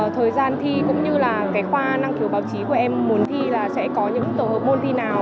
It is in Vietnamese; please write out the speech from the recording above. thời gian thi cũng như là cái khoa năng khiếu báo chí của em muốn thi là sẽ có những tổ hợp môn thi nào